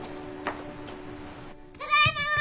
ただいま！